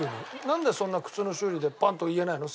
なんでそんな靴の修理でパンッと言えないの？